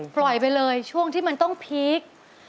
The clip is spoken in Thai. ปล่อยไปเลยช่วงที่มันต้องพีค